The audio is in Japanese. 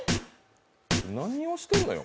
何をしてるのよ。